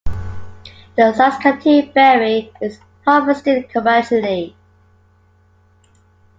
The saskatoon berry is harvested commercially.